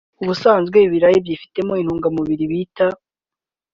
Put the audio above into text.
Ubusanzwe ibirayi byibitsemo intungamubiri bita